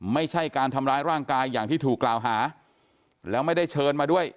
ไม่ใช่การทำร้ายร่างกายอย่างที่ถูกกล่าวหาแล้วไม่ได้เชิญมาด้วย